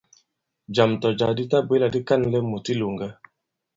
Jàm tɔ̀ jǎ di tabwě là di ka᷇nlɛ mùt i ilòŋgɛ.